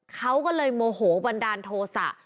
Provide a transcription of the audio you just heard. เขาก็เลยโมโหบันดาลโทษะ